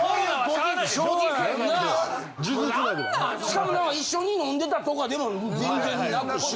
しかも一緒に飲んでたとかでもぜんぜんなく。